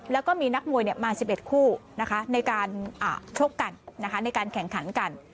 แล้วก็มีนักมวยมา๑๑คู่ในการชกกันในการแข่งขันกัน